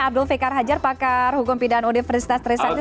abdul fikar hajar pakar hukum pindaan universitas trisantis